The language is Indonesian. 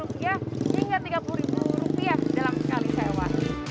hingga rp tiga puluh dalam sekali sewa